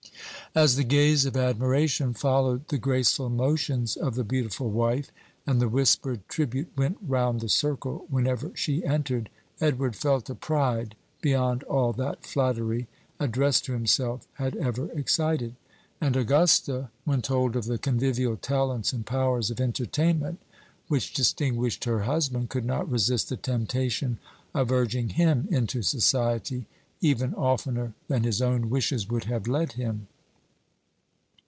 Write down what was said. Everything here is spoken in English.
As the gaze of admiration followed the graceful motions of the beautiful wife, and the whispered tribute went round the circle whenever she entered, Edward felt a pride beyond all that flattery, addressed to himself, had ever excited; and Augusta, when told of the convivial talents and powers of entertainment which distinguished her husband, could not resist the temptation of urging him into society even oftener than his own wishes would have led him.